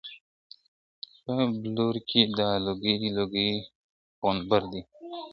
په بلور کي دا لوګی لوګی عنبر دئ